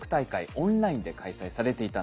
オンラインで開催されていたんです。